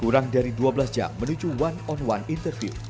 kurang dari dua belas jam menuju one on one interview